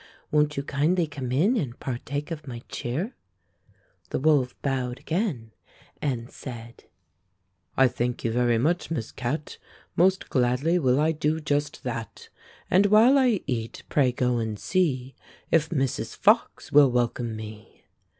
Won't you kindly come in and partake of my cheer? " The wolf bowed again and said: — 50 Fairy Tale Foxes "I thank you very much. Miss Cat, Most gladly will I do just that;* And while I eat, pray, go and see If Mrs. Fox will welcome me."